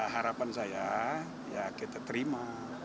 harapan saya ya kita terima